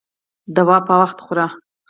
دوايانې په وخت خوره